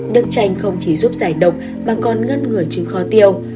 nước chanh không chỉ giúp giải độc mà còn ngất ngửa chứng kho tiêu